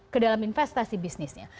kedalam investasi bisnisnya